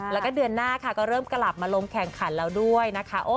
แล้วก็เดือนหน้าค่ะก็เริ่มกลับมาลงแข่งขันแล้วด้วยนะคะ